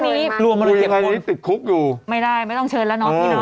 มีใครบ้างนะ